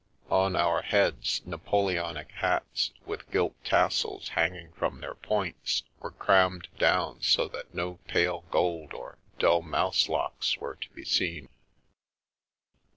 On our heads Napoleonic hats with gilt tassels hanging from their points were crammed down so that no pale gold or dull mouse locks were to be seen.